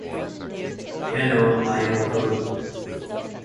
She then proceeded to Cold Bay and began training her new Soviet crew.